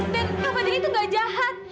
dan kak fadil itu nggak jahat